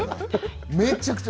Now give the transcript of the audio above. めちゃくちゃ。